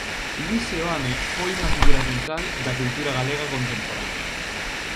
Luís Seoane foi unha figura central da cultura galega contemporánea.